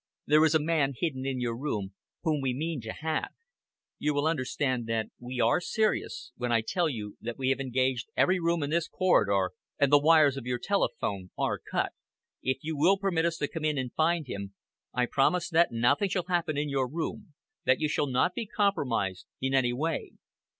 There is a man hidden in your room whom we mean to have. You will understand that we are serious, when I tell you that we have engaged every room in this corridor, and the wires of your telephone are cut. If you will permit us to come in and find him, I promise that nothing shall happen in your room, that you shall not be compromised in any way.